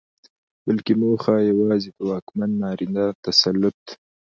بلکې موخه يواځې د واکمن نارينه تسلط